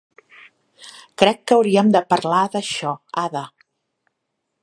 Crec que hauríem de parlar d'açò, Ada.